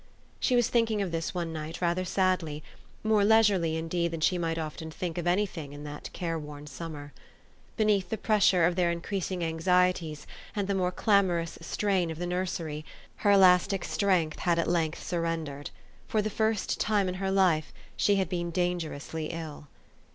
She was thinking of this one night rather sadly, more leisurely indeed than she might often think of any thing in that careworn summer. Beneath the pressure of their increasing anxieties and the more 328 THE STORY OF AVIS. clamorous strain of the nursery, her elastic strength had at length surrendered. For the first time in her life, she had been dangerously ill.